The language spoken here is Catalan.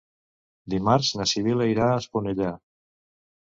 Dimarts na Sibil·la irà a Esponellà.